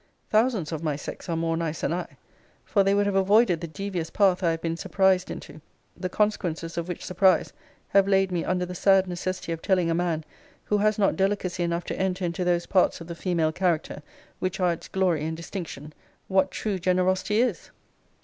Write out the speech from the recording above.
Thousands of my sex are more nice than I; for they would have avoided the devious path I have been surprised into; the consequences of which surprise have laid me under the sad necessity of telling a man, who has not delicacy enough to enter into those parts of the female character which are its glory and distinction, what true generosity is.